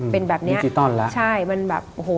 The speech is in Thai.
เป็นแบบนี้ใช่มันแบบโอ้โห